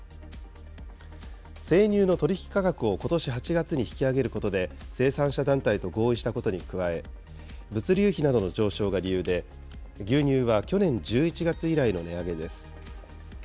生乳の取り引き価格をことし８月に引き上げることで生産者団体と合意したことに加え、物流費などの上昇が理由で、牛乳は去年１１月以来の値上げです。